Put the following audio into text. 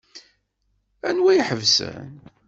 Anwa i iḥebsen?